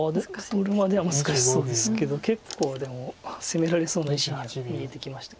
取るまでは難しそうですけど結構でも攻められそうな石には見えてきました。